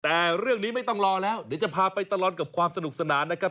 แต่เรื่องนี้ไม่ต้องรอแล้วเดี๋ยวจะพาไปตลอดกับความสนุกสนานนะครับ